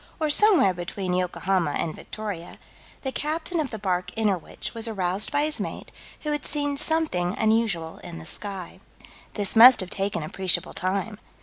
or somewhere between Yokohama and Victoria, the captain of the bark Innerwich was aroused by his mate, who had seen something unusual in the sky. This must have taken appreciable time.